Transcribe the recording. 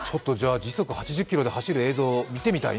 時速８０キロで走る映像、見てみたいね。